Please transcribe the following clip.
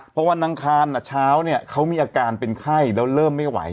พอวันอังคารเช้าเนี่ยเขามีอาการเป็นไข้แล้วเริ่มไม่ไหว